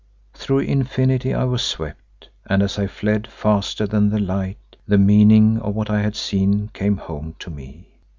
Through Infinity I was swept, and as I fled faster than the light, the meaning of what I had seen came home to me.